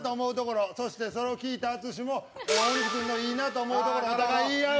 そしてそれを聞いた淳も大西君のいいなと思うところをお互い言い合う。